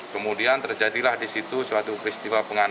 kemudian terjadilah di situ suatu kristiwa pembangunan